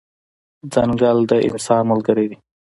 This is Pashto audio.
ځنګل د انسان ملګری دی.